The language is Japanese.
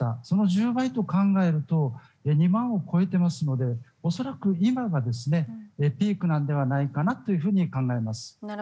その１０倍と考えると２万を超えていますので恐らく、今がピークなのではないかと考えます。